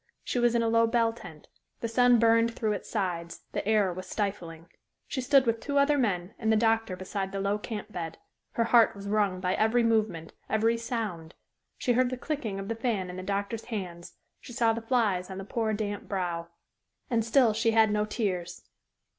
She was in a low bell tent. The sun burned through its sides; the air was stifling. She stood with two other men and the doctor beside the low camp bed; her heart was wrung by every movement, every sound; she heard the clicking of the fan in the doctor's hands, she saw the flies on the poor, damp brow. And still she had no tears.